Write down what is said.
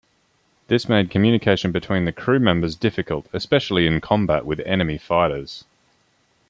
This made communication between the crew members difficult, especially in combat with enemy fighters.